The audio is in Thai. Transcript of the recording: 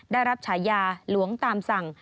ได้รับฉายาหลวงตามสั่ง